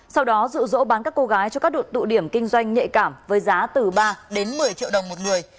sau đó rụ rỗ bán các cô gái cho các đột tụ điểm kinh doanh nhạy cảm với giá từ ba đến một mươi triệu đồng một người